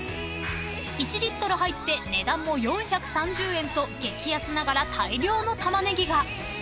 ［１リットル入って値段も４３０円と激安ながら大量のタマネギが］